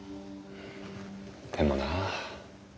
でもなあ。